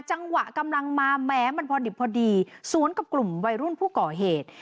จังหวะกำลังมาแม้มันพอดิบพอดีสวนกับกลุ่มวัยรุ่นผู้ก่อเหตุ